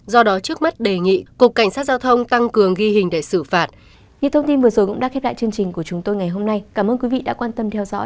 do đó trước mắt đề nghị cục cảnh sát giao thông tăng cường ghi hình để xử phạt